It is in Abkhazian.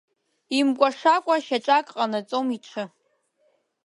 Имкәашакәа шьаҿак ҟанаҵом иҽы.